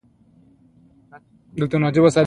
ګوند یې د هغوی په ملاتړ تاسیس کړی.